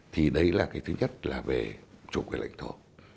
thì đấy là cái thứ nhất là về chủ quyền lãnh thổ